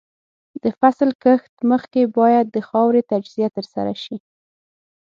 د فصل کښت مخکې باید د خاورې تجزیه ترسره شي.